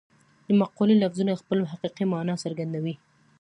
د مقولې لفظونه خپله حقیقي مانا څرګندوي